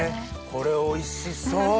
これおいしそう！